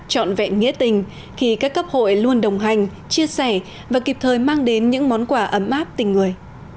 trọn vẹn nghĩa tình khi các cấp hội luôn đồng hành chia sẻ và kịp thời mang đến những món quà ấm áp tình người